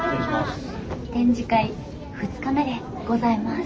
展示会２日目でございます。